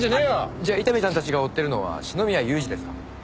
じゃあ伊丹さんたちが追ってるのは四宮裕二ですか？